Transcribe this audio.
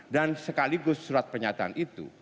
sekaligus surat pernyataan itu